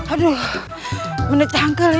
aduh benar benar canggel